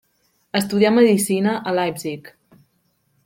Estudià medicina a Leipzig.